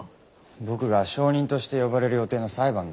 僕が証人として呼ばれる予定の裁判だよ。